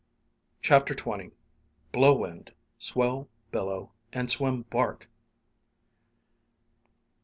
CHAPTER XX "BLOW, WIND; SWELL, BILLOW; AND SWIM, BARK!"